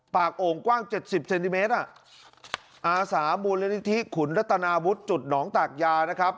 โอ่งกว้างเจ็ดสิบเซนติเมตรอ่ะอาสามูลนิธิขุนรัตนาวุฒิจุดหนองตากยานะครับ